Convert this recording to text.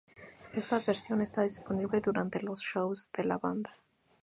Esta versión está disponible durante los shows de la banda.